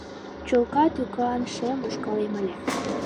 Чолка тӱкан шем ушкалем ыле